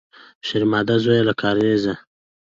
شېرمامده زویه، له کارېزه!